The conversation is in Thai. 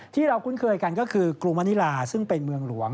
ที่เราคุ้นเคยกันก็คือกรุมานิลาซึ่งเป็นเมืองหลวง